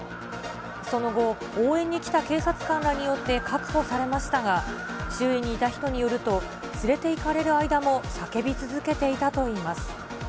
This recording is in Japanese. その後、応援に来た警察官らによって確保されましたが、周囲にいた人によると、連れていかれる間も叫び続けていたといいます。